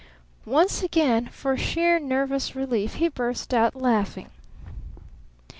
Once again for sheer nervous relief he burst out laughing.